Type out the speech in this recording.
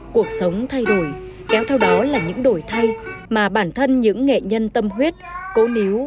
cuộc sống thay đổi kéo theo đó là những đổi thay mà bản thân những nghệ nhân tâm huyết cố níu